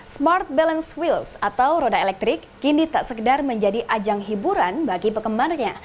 smart balance wheels atau roda elektrik kini tak sekedar menjadi ajang hiburan bagi penggemarnya